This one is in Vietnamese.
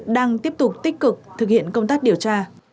đang tiếp tục tích cực thực hiện công tác điều tra